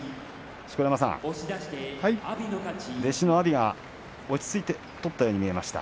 錣山さん、弟子の阿炎が落ち着いて取ったように見えました。